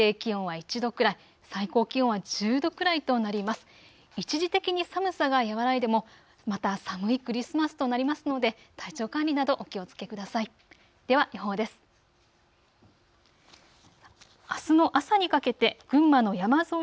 一時的に寒さが和らいでもまた寒いクリスマスとなりますので体調管理などお気をつけください。